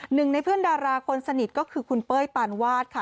หนึ่งในเพื่อนดาราคนสนิทก็คือคุณเป้ยปานวาดค่ะ